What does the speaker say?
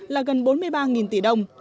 là gần bốn mươi ba tỷ đồng